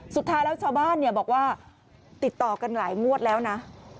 สุดท้ายแล้วชาวบ้านบอกว่าติดต่อกันหลายงวดแล้วนะ